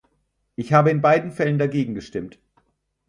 Ich habe in beiden Fällen dagegen gestimmt.